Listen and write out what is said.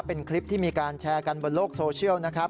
เป็นคลิปที่มีการแชร์กันบนโลกโซเชียลนะครับ